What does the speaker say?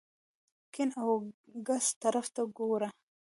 ګېڼ او ګس طرف ته ګوره !